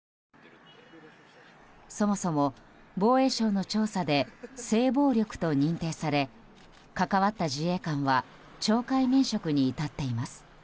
そもそも防衛省の調査で性暴力と認定され関わった自衛官は懲戒免職に至っています。